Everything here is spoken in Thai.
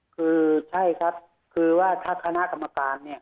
คือใช่ครับคือว่าถ้าคณะกรรมการเนี่ย